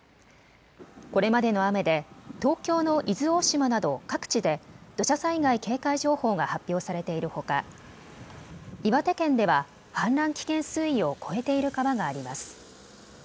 これまでの雨で東京の伊豆大島など各地で土砂災害警戒情報が発表されているほか岩手県では氾濫危険水位を超えている川があります。